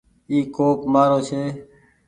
اي ڪوپ مآرو ڇي۔